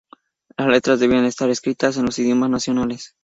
Las letras debían estar escritas en los idiomas nacionales.